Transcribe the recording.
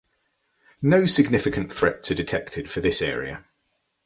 No significant threats are detected for this area.